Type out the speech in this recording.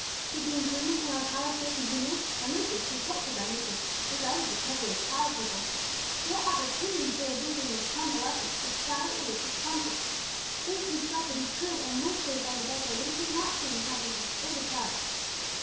Should the improvement in Alcala's state continue and Lucius, who was hopeful by nature, regarded recovery as probable what opportunities there would be during his convalescence for quiet religious converse! Lucius felt that he could and would say by the bedside what he could not say in the counting house or the Prado.